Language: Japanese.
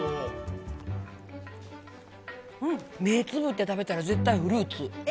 目つぶって食べたら絶対フルーツ。